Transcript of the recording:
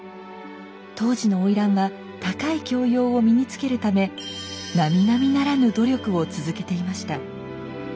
当時の花魁は高い教養を身につけるためなみなみならぬ努力を続けていました。